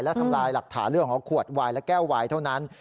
และทำลายหลักฐานเรื่องของขวดวายและแก้ววายเท่านั้น